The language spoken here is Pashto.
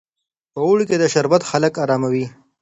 په اوړي کې دا شربت خلک اراموي.